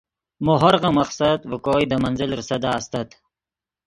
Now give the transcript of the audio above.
مو ہورغن مقصد ڤے کوئے دے منزل ریسدا